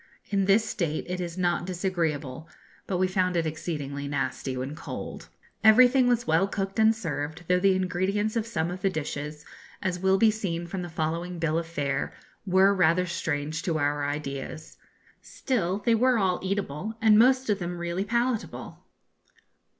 In this state it is not disagreeable, but we found it exceedingly nasty when cold. Everything was well cooked and served, though the ingredients of some of the dishes, as will be seen from the following bill of fare, were rather strange to our ideas. Still they were all eatable, and most of them really palatable.